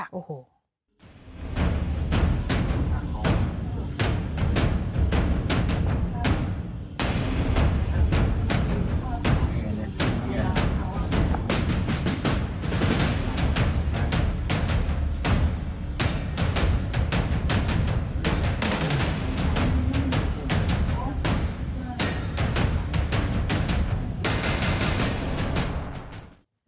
อารหีกทรียมเด็ก